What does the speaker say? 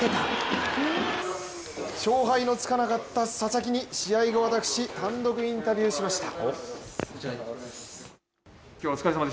勝敗のつかなかった佐々木に試合後、私、単独インタビューしました。